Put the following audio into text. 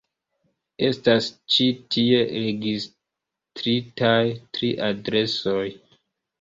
Estas ĉi tie registritaj tri adresoj.